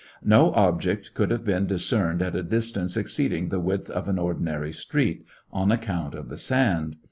No object could hBiVG been discerned at a distance exceeding the width of an ordinary street, on account of the sand.